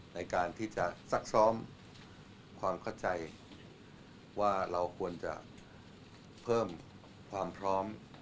ในการที่จะซักซ้อมความเข้าใจว่าเราควรจะเพิ่มความพร้อม